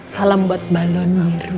salam buat balon biru